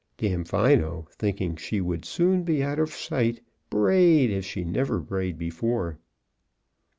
Damfino, thinking she would soon be out of sight, brayed as she never brayed before.